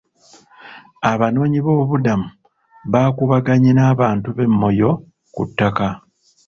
Abanoonyiboobubudamu baakuubaganye n'abantu b'e Moyo ku ttaka.